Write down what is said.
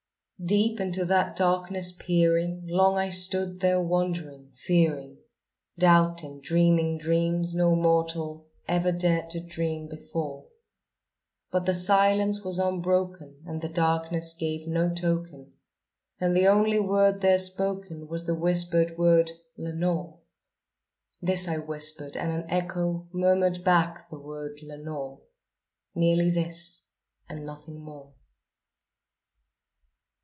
Deep into that darkness peering, long I stood there wondering, fearing, Doubting, dreaming dreams no mortal ever dared to dream to dream before; But the silence was unbroken, and the darkness gave no token, And the only word there spoken was the whispered word, "Lenore!" This I whispered, and an echo murmured back the word "Lenore!" Merely this and nothing more.